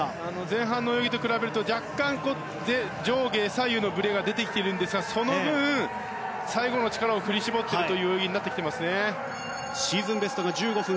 前半の泳ぎと比べると若干、上下左右のぶれが出てきているんですがその分、最後の力を振り絞ってという泳ぎになってきていますね。